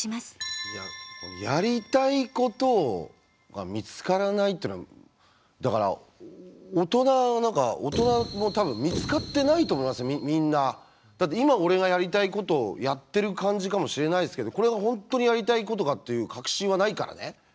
いややりたいことが見つからないってのはだからだって今俺がやりたいことをやってる感じかもしれないですけどこれが本当にやりたいことかっていう確信はないからね。